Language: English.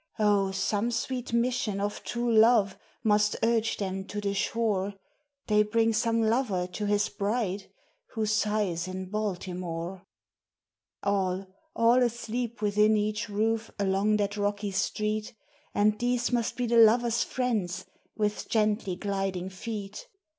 O, some sweet mission of true love must urge them to the shore, They bring some lover to his bride, who sighs in Baltimore! All, all asleep within each roof along that rocky street, And these must be the lover's friends, with gently gliding feet.